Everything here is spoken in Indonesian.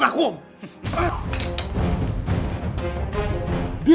nah moc plateau sesuai